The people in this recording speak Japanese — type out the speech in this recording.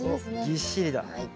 ぎっしりだ。